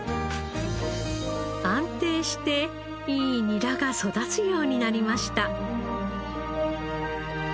安定していいニラが育つようになりました。